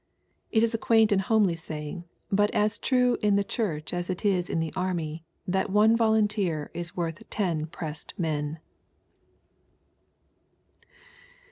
It is a quaint and homely saying, but as true in the Church as it is in the army, that " one volunteer is worth ten pressed men."